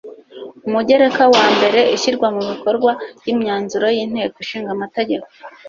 UMUGEREKA WA MBERE ISHYIRWA MU BIKORWA RY IMYANZURO Y INTEKO ISHINGA AMATEGEKO